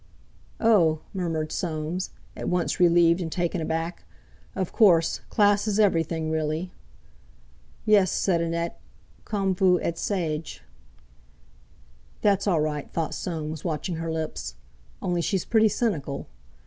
"Oh!" murmured Soames, at once relieved and taken aback. "Of course, class is everything, really." "Yes," said Annette; "comme vous êtes sage." "That's all right," thought Soames, watching her lips, "only she's pretty cynical."